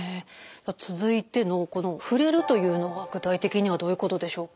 続いてのこの触れるというのは具体的にはどういうことでしょうか？